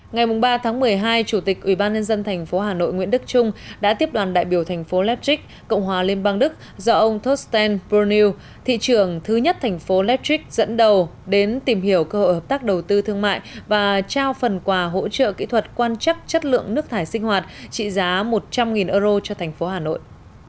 ngày ba tháng một mươi hai chủ tịch ubnd tp hà nội nguyễn đức trung đã tiếp đoàn đại biểu thành phố leipzig cộng hòa liên bang đức do ông thorsten brunel thị trưởng thứ nhất thành phố leipzig dẫn đầu đến tìm hiểu cơ hội hợp tác đầu tư thương mại và trao phần quà hỗ trợ kỹ thuật quan chắc chất lượng nước thải sinh hoạt trị giá một trăm linh euro cho thành phố hà nội